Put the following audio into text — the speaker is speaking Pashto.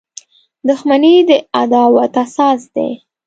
• دښمني د عداوت اساس دی.